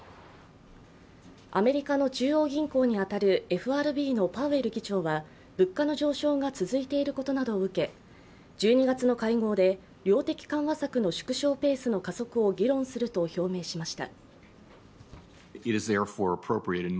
アメリカの中央銀行に当たるＦＲＢのパウエル議長は物価の上昇が続いていることなどを受け１２月の会合で量的緩和策の縮小ペースの加速を議論すると表明しました。